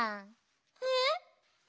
えっ？